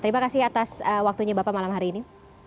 terima kasih atas waktunya bapak malam hari ini